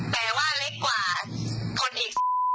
แต่ว่าเล็กกว่าคนอีก